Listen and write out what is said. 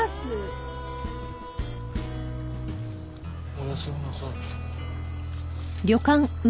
おやすみなさい。